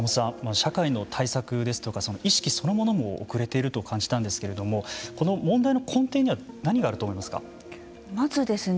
社会の対策ですとか意識そのものも後れていると感じたんですけれどもこの問題の根底には何があると思いますか。